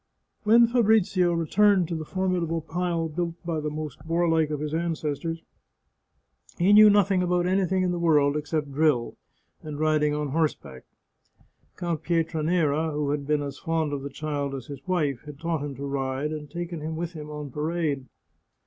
When Fabrizio returned to the formidable pile built by the most warlike of his ancestors he knew nothing about anything in the world except drill, and riding on horseback. Count Fietranera, who had been as fond of the child as his wife, had taught him to ride, and taken him with him on parade.